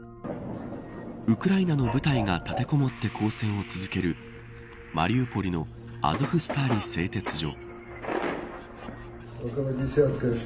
ウクライナの部隊が立てこもって交戦を続けるマリウポリのアゾフスターリ製鉄所。